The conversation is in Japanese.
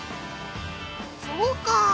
そうかあ。